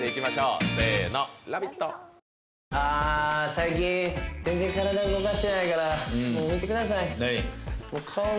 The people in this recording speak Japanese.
最近全然体動かしてないからもう見てください何？